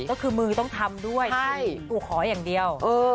ก็คือมือต้องทำด้วยกูขออย่างเดียว